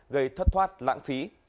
gây thất thoát lãng phí